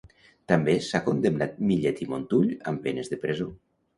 També s'ha condemnat Millet i Montull amb penes de presó.